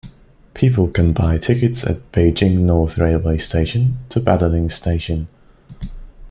People can buy tickets at Beijing North Railway Station to Badaling Station.